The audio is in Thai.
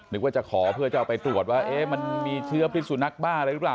นึกว่าจะขอเพื่อจะเอาไปตรวจว่ามันมีเชื้อพิษสุนักบ้าอะไรหรือเปล่า